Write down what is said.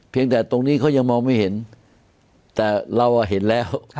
แต่ตรงนี้เขายังมองไม่เห็นแต่เราเห็นแล้ว